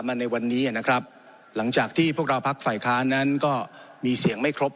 ในวันนี้นะครับหลังจากที่พวกเราพักฝ่ายค้านนั้นก็มีเสียงไม่ครบ